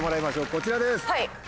こちらです。